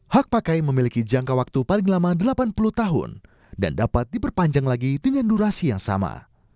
hak pakai memiliki jangka waktu paling lama delapan puluh tahun dan dapat diperpanjang lagi dengan durasi yang sama